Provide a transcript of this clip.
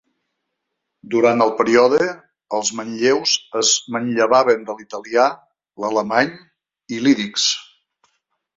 Durant el període, els manlleus es manllevaven de l'italià, l'alemany i l'ídix.